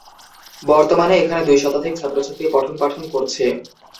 বর্তমানে এখানে দুই শতাধিক ছাত্র ছাত্রী পঠন পাঠন করছে।